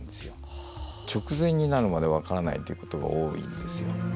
直前になるまで分からないということが多いんですよ。